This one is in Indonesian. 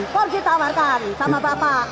kor ditawarkan sama bapak